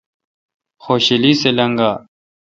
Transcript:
خوشالی سہ لیگا۔